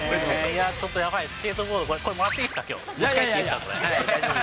ちょっとやばい、スケートボード、これもらっていいですか、きょう。